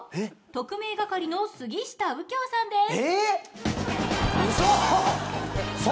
特命係の杉下右京です。